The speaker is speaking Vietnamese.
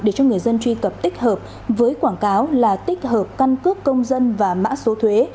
để cho người dân truy cập tích hợp với quảng cáo là tích hợp căn cước công dân và mã số thuế